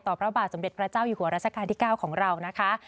พระบาทสมเด็จพระเจ้าอยู่หัวราชการที่๙ของเรานะคะ